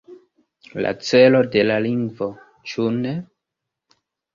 La celo de la lingvo, ĉu ne?